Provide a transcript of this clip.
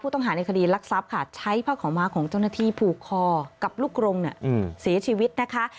ต้องหาในคดีรักทรัพย์ค่ะใช้ผ้าขาวม้าของเจ้าหน้าที่ผูกคอกับลูกกรงเสียชีวิตนะคะ